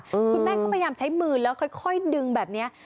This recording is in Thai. คุณแม่เขาพยายามใช้มือแล้วค่อยดึงแบบนี้